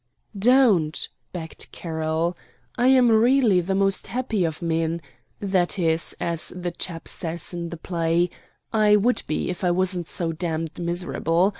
"Don't," begged Carroll. "I am really the most happy of men that is, as the chap says in the play, I would be if I wasn't so damned miserable.